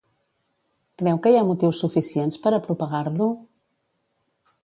Creu que hi ha motius suficients per a propagar-lo?